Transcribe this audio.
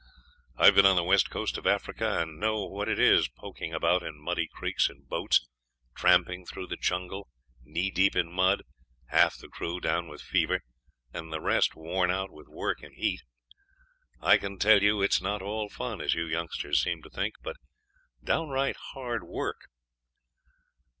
"I have been on the west coast of Africa and know what it is poking about in muddy creeks in boats, tramping through the jungle, knee deep in mud, half the crew down with fever, and the rest worn out with work and heat. I can tell you it is not all fun, as you youngsters seem to think, but downright hard work."